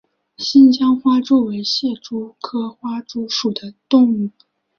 新疆花蛛为蟹蛛科花蛛属的动物。